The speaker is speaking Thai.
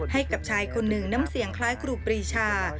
ให้กับชายคนหนึ่งน้ำเสียงคล้ายครูปรีชา